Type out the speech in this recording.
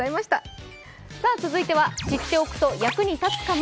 続いては、知っておくと役に立つかも。